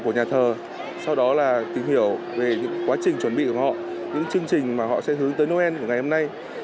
của nhà thờ sau đó là tìm hiểu về quá trình chuẩn bị của họ những chương trình mà họ sẽ hướng tới noel của ngày hôm nay